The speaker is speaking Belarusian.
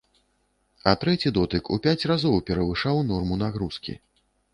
А трэці дотык у пяць разоў перавышаў норму нагрузкі.